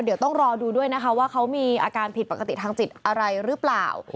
เดี๋ยวต้องรอดูด้วยนะคะว่าเขามีอาการผิดปกติทางจิตอะไรหรือเปล่า